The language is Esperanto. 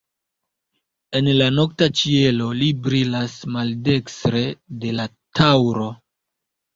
En la nokta ĉielo li brilas maldekstre de la Taŭro.